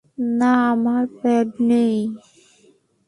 না, আমার প্যাড নেই।